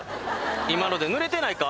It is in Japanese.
今ので濡れてないか？